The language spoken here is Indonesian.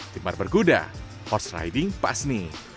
timar berkuda horse riding pas nih